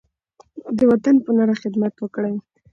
د وطن په نره خدمت وکړئ.